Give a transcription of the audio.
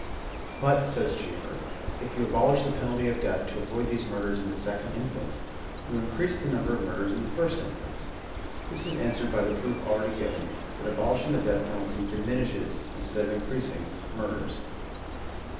But, says Cheever, " if you abolish the penalty of death to avoid these murders in the second instance, you increase the number of murders in the first instance/' This is answered by the proof already given, that abolishing the death penalty diminishes^ in stead of increasing, murders.